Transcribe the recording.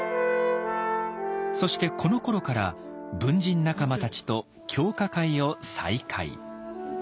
そしてこのころから文人仲間たちと狂歌会を再開。